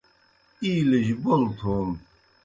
اِیلِجیْ بول تھون